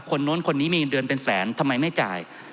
โน้นคนนี้มีเงินเดือนเป็นแสนทำไมไม่จ่าย